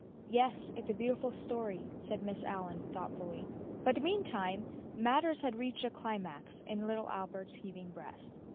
"Yes, it's a beautiful story," said Miss Allyn thoughtfully. But meantime, matters had reached a climax in little Albert's heaving breast.